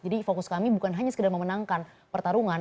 jadi fokus kami bukan hanya sekedar memenangkan pertarungan